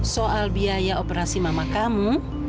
soal biaya operasi mama kamu